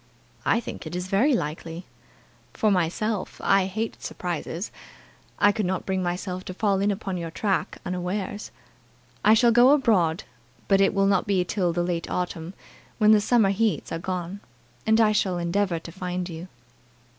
"I think it is very likely. For myself, I hate surprises. I could not bring myself to fall in upon your track unawares. I shall go abroad, but it will not be till the late autumn, when the summer heats are gone, and I shall endeavour to find you."